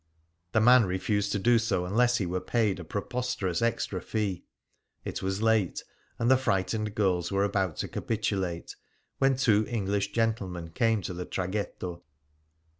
The man refused to do so unless he were paid a preposterous extra fee. It was late, and the frightened girls were about to capitulate, when two English gentlemen came to the traghetto.